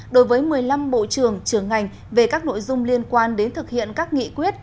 đối với một mươi năm bộ trưởng trường ngành về các nội dung liên quan đến thực hiện các nghị quyết